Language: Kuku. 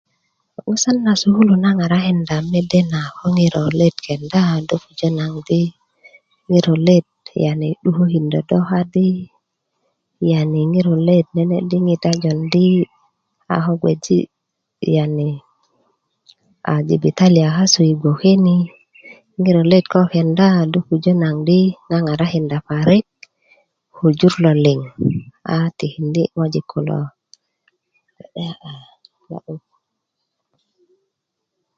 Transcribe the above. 'busan na sukulu na ŋarakinda mede na ko ŋiro let kenda do puja naŋ di ŋiro let yani 'dukökindö do kadi yani ŋiro let nene diŋ a jondi a ko gbeji' yani a jibitalia kasu i gboke ni ŋiro let ko kenda do pujö naŋ di ŋaŋarakinda parik ko jur lo liŋ a tikindi ŋojik kulo gbe'de lo'but